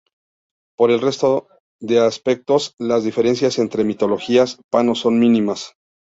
Por el resto de aspectos, las diferencias entre mitologías pano son mínimas.